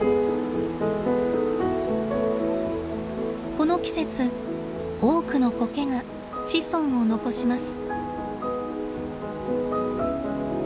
この季節多くのコケが子孫を残します。